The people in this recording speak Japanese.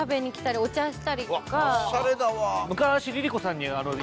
おしゃれだわ。